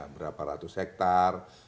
berapa ratus hektare